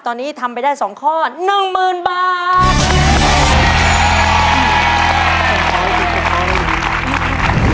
ตอนนี้ทำไปได้๒ข้อ๑๐๐๐บาท